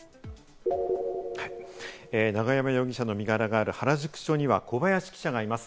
永山容疑者の身柄がある原宿警察署には小林記者がいます。